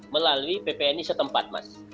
melalui ppni setempat mas